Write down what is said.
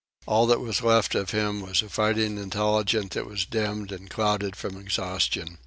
All that was left of him was a fighting intelligence that was dimmed and clouded from exhaustion.